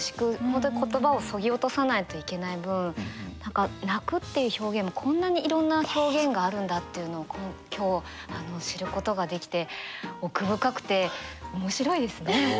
本当に言葉をそぎ落とさないといけない分何か泣くっていう表現もこんなにいろんな表現があるんだっていうのを今日知ることができて奥深くて面白いですね。